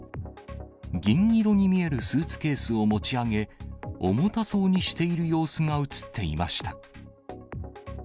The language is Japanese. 銀色に見えるスーツケースを持ち上げ、重たそうにしている様子が写っていました。